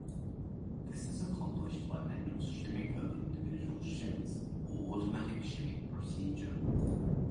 This is accomplished by manual shimming of individual shims, or automatic shimming procedure.